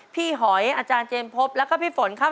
หอยอาจารย์เจมส์พบแล้วก็พี่ฝนครับ